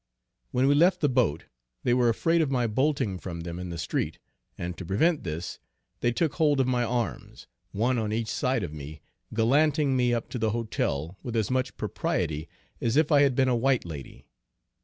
When we left the boat, they were afraid of my bolting from them in the street, and to prevent this they took hold of my arms, one on each side of me, gallanting me up to the hotel with as much propriety as if I had been a white lady.